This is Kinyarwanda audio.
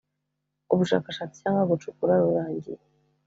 ubushakashatsi cyangwa gucukura rurangiye